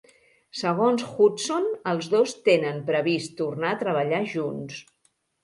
Segons Hutson, els dos tenen previst tornar a treballar junts.